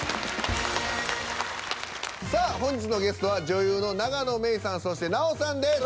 さあ本日のゲストは女優の永野芽郁さんそして奈緒さんです。